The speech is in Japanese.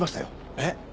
えっ？